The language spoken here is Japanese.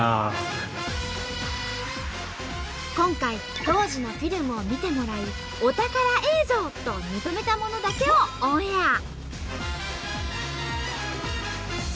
今回当時のフィルムを見てもらいお宝映像と認めたものだけをオンエア！